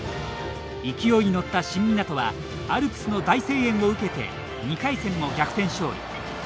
勢いに乗った新湊はアルプスの大声援を受けて２回戦も逆転勝利。